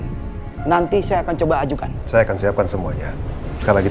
hai nanti saya akan mencari penyelesaian dari pengadilan saya akan mencari penyelesaian dari pengadilan